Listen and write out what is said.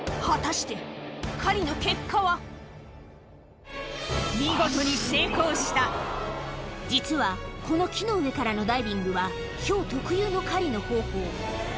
果たして見事に成功した実はこの木の上からのダイビングはヒョウ特有の狩りの方法